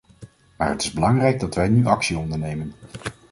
Maar het is belangrijk dat wij nu actie ondernemen.